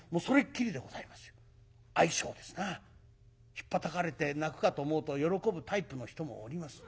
ひっぱたかれて泣くかと思うと喜ぶタイプの人もおります。